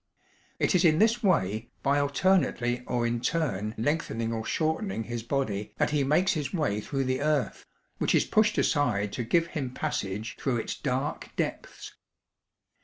It is in this way, by alternately or in turn lengthening or shortening his body that he makes his way through the earth, which is pushed aside to give him passage through its dark depths.